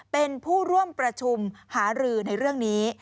เป็นผู้ร่วมประชุมหารือในเรื่องนี้